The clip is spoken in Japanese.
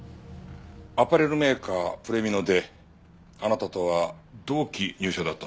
アパレルメーカーＰｒｅｍｉｎｏであなたとは同期入社だったんですね。